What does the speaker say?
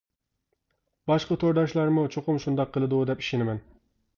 باشقا تورداشلارمۇ چوقۇم شۇنداق قىلىدۇ دەپ ئىشىنىمەن.